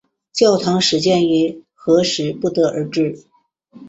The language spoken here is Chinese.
教堂始建于何时不得而知。